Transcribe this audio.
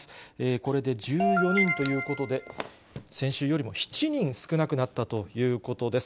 これで１４人ということで、先週よりも７人少なくなったということです。